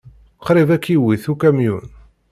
Qrib ay k-iwit ukamyun.